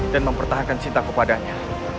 dan mempertahankan cinta kepadanya